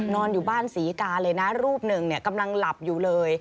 นอนอยู่บ้านศรีกาเลยนะรูปหนึ่งกำลังหลับอยู่เลย